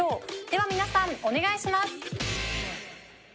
では皆さんお願いします。